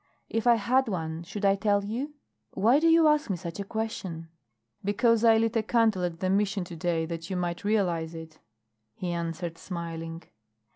If I had one should I tell you? Why do you ask me such a question?" "Because I lit a candle at the Mission to day that you might realize it," he answered, smiling.